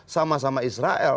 sama sama israel